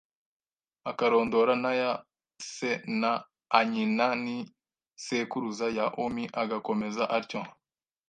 akarondora n’aya a se na a nyina n’iisekuruza ya omi agakomeza atyo